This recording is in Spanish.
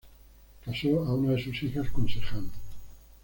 Casó a una de sus hijas con Sejano.